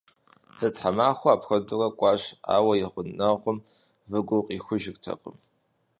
Зы тхьэмахуэ апхуэдэурэ кӏуащ, ауэ и гъунэгъум выгур къихужыртэкъым.